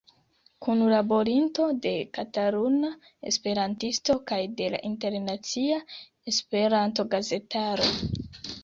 Kunlaborinto de Kataluna Esperantisto kaj de la internacia Esperanto-gazetaro.